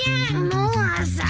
もう朝？